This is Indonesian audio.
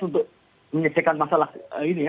untuk menyelesaikan masalah ini ya